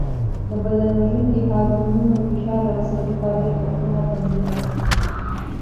د بدن ژوڼکې د هارمونونو، فشار او عصبي فعالیت وختونه تنظیموي.